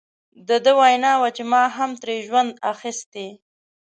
د ده وینا وه چې ما هم ترې ژوند اخیستی.